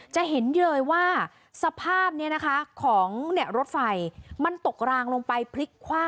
จะเห็นเลยว่าสภาพนี้นะคะของรถไฟมันตกรางลงไปพลิกคว่ำ